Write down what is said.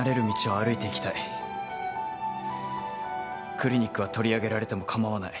クリニックは取り上げられても構わない。